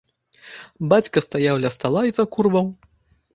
Бацька стаяў ля стала і закурваў.